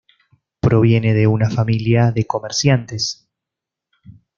Proviene de una familia de comerciantes.